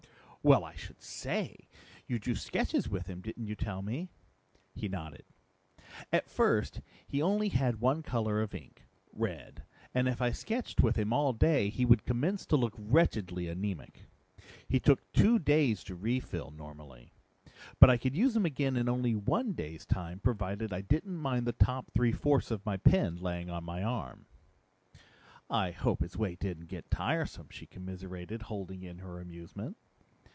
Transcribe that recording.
"Well, I should say! You drew sketches with him, didn't you tell me?" He nodded. "At first he only had one color of ink red and if I sketched with him all day he would commence to look wretchedly anemic. He took two days to refill, normally. But I could use him again in only one day's time provided I didn't mind the top three fourths of my pen laying on my arm." "I hope his weight didn't get tiresome," she commiserated, holding in her amusement.